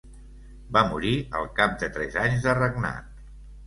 Va morir al cap de tres anys de regnat.